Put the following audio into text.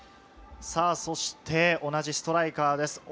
そして同じストライカーです。